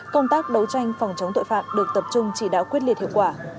công tác đấu tranh phòng chống tội phạm được tập trung chỉ đạo quyết liệt hiệu quả